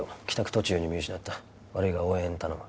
途中に見失った悪いが応援頼む